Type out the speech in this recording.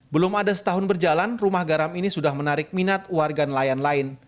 belum ada setahun berjalan rumah garam ini sudah menarik minat warga nelayan lain